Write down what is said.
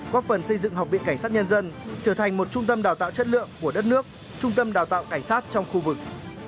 góp phần xây dựng học viện cảnh sát nhân dân trở thành một trung tâm đào tạo chất lượng của đất nước trung tâm đào tạo cảnh sát trong khu vực